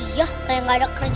iya kayak gak ada kerjaan aja